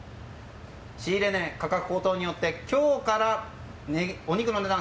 仕入れ値価格高騰によって今日からお肉の値段